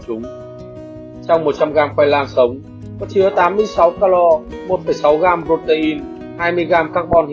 chúng trong một trăm linh gram khoai lang sống có chứa tám mươi sáu calo một sáu gram protein hai mươi gram carbon